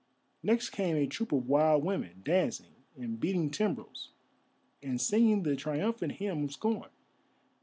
Next came a troop of wild women, dancing, and beating timbrels, and singing the triumphant hymn of scorn.